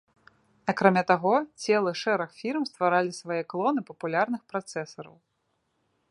Акрамя таго, целы шэраг фірм стваралі свае клоны папулярных працэсараў.